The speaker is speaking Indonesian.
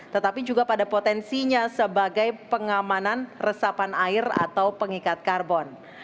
tetapi juga pada potensinya sebagai pengamanan resapan air atau pengikat karbon